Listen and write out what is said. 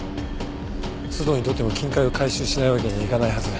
須藤にとっても金塊を回収しないわけにはいかないはず。